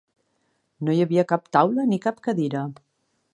No hi havia cap taula ni cap cadira.